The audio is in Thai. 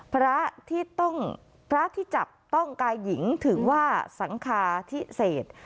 พระที่จับต้องกายหญิงถือว่าสังคาที่เศษ